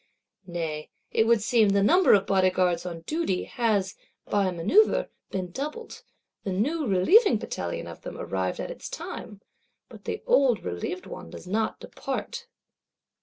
Nay, it would seem, the number of Bodyguards on duty has, by a manœuvre, been doubled: the new relieving Battalion of them arrived at its time; but the old relieved one does not _depart!